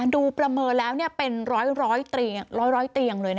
ประเมินแล้วเป็นร้อยเตียงเลย